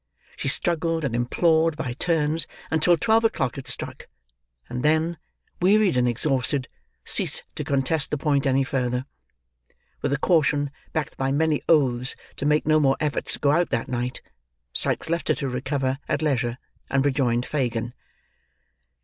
She struggled and implored by turns until twelve o'clock had struck, and then, wearied and exhausted, ceased to contest the point any further. With a caution, backed by many oaths, to make no more efforts to go out that night, Sikes left her to recover at leisure and rejoined Fagin.